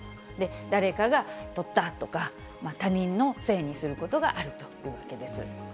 誰かがとったとか、他人のせいにすることがあるというわけです。